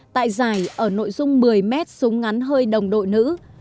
tại giải ở nội dung một mươi mét súng ngắn hơi đồng đội nữ